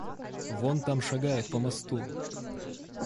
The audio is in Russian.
Вон там шагает по мосту...